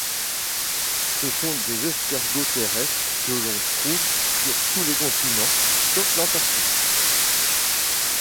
Ce sont des escargots terrestres que l'on trouve sur tous les continents, sauf l'Antarctique.